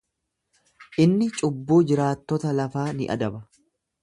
Inni cubbuu jiraattota lafaa ni adaba.